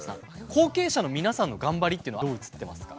後継者の皆さんの頑張りっていうのはどう映ってますか？